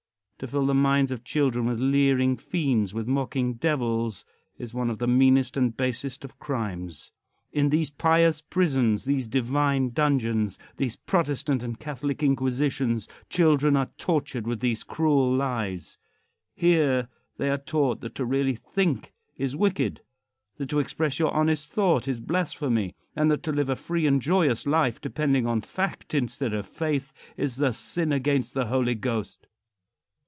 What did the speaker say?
To fill the minds of children with leering fiends with mocking devils is one of the meanest and basest of crimes. In these pious prisons these divine dungeons these Protestant and Catholic inquisitions children are tortured with these cruel lies. Here they are taught that to really think is wicked; that to express your honest thought is blasphemy; and that to live a free and joyous life, depending on fact instead of faith, is the sin against the Holy Ghost.